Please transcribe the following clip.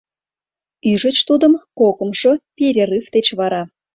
Ӱжыч тудым кокымшо перерыв деч вара.